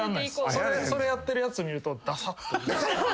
それやってるやつ見るとダサって思う。